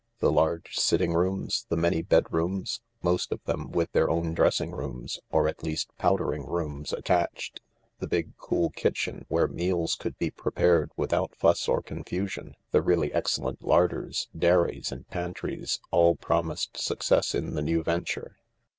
The large sitting rooms ; the many bed rooms, most of them with their own dressing rooms, or at least powdering rooms, attached; the big, cool kitche^ where meals could be prepared without fuss or confusion ; the really excellent larders, dairies, and pantries all promise^ success in the new venture.